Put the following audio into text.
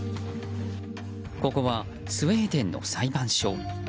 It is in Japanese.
ここはスウェーデンの裁判所。